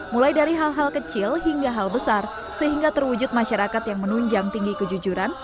mulai dari hal hal kecil hingga hal besar sehingga terwujud masyarakat yang menunjang tinggi kejujuran